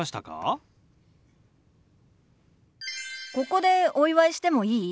ここでお祝いしてもいい？